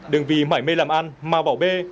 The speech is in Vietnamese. đừng vì mải mê làm ăn mà bảo bê